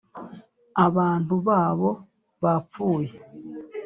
abantu babo bapfuye,